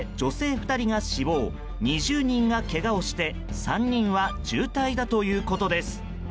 ２０人がけがをして３人は重体だということです。